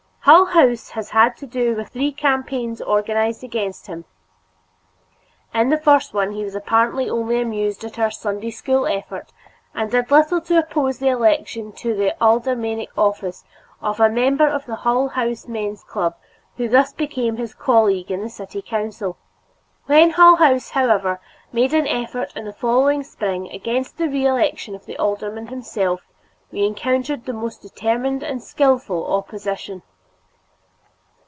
Hull House has had to do with three campaigns organized against him. In the first one he was apparently only amused at our "Sunday School" effort and did little to oppose the election to the aldermanic office of a member of the Hull House Men's Club who thus became his colleague in the city council. When Hull House, however, made an effort in the following spring against the re election of the alderman himself, we encountered the most determined and skillful opposition.